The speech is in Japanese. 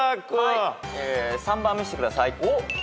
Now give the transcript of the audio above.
３番見してください。